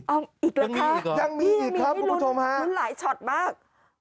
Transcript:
เอาอีกเหรอคะยังมีอีกครับคุณผู้ชมฮะมันหลายช็อตมาก